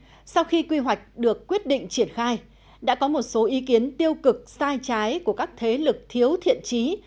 tuy nhiên sau khi quy hoạch được quyết định triển khai đã có một số ý kiến tiêu cực sai trái của các thế lực thiếu thiện trí